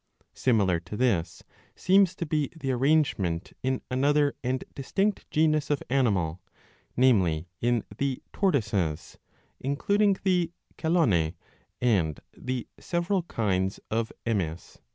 Similar to this seems to be the arrange ment in another and distinct genus of animal, namely in the Tortoises, including the Chelone and the several kinds of Emys.